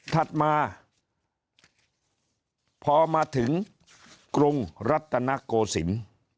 ถัดมาพอมาถึงกรุงรัตนโกศิลป์